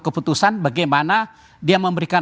keputusan bagaimana dia memberikan